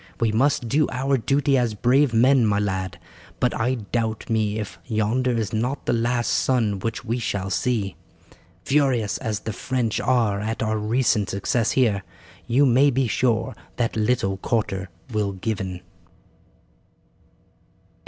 We must do our duty as brave men, my lad, but I doubt me if yonder is not the last sun which we shall see. Furious as the French are at our recent success here you may be sure that little quarter will given."